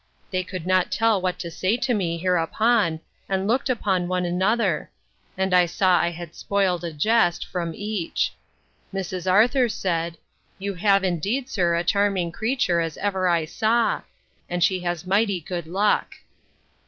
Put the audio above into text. They could not tell what to say to me hereupon, and looked one upon another. And I saw I had spoiled a jest, from each. Mrs. Arthur said, You have, indeed, sir, a charming creature, as ever I saw; and she has mighty good luck.